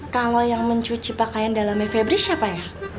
kalau yang mencuci pakaian dalamnya febri siapa ya